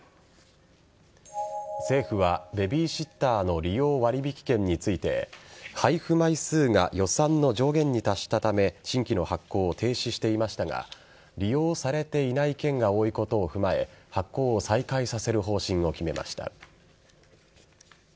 政府は、ベビーシッターの利用割引券について配布枚数が予算の上限に達したため新規の発行を停止していましたが利用されていない券が多いことを踏まえ発行を再開させる方針を決めました。